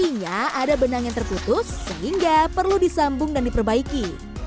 artinya ada benang yang terputus sehingga perlu disambung dan diperbaiki